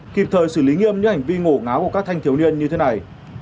kịp thời xử lý nghiêm những hành vi ngổ ngáo của các thanh thiếu niên như thế này